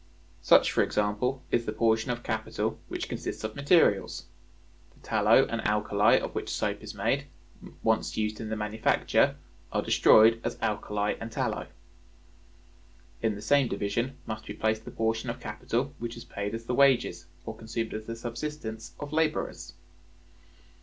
Such, for example, is the portion of capital which consists of materials. The tallow and alkali of which soap is made, once used in the manufacture, are destroyed as alkali and tallow. In the same division must be placed the portion of capital which is paid as the wages, or consumed as the subsistence, of laborers.